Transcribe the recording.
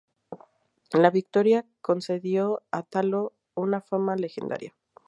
La victoria concedió a Atalo una fama legendaria.